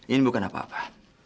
ini bukan apa apa